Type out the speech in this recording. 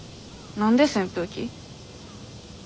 何で扇風機？